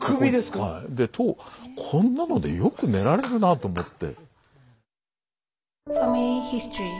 でこんなのでよく寝られるなあと思って。